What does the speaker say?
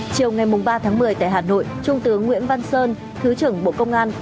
chiều ngày ba tháng một mươi tại hà nội trung tướng nguyễn văn sơn thứ trưởng bộ công an